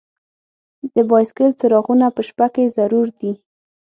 د بایسکل څراغونه په شپه کې ضرور دي.